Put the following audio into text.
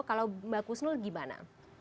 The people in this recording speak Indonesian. kalau mbak kusnul gimana